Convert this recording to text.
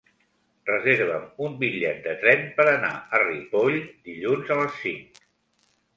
Reserva'm un bitllet de tren per anar a Ripoll dilluns a les cinc.